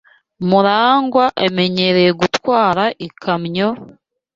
MuragwA amenyereye gutwara ikamyo,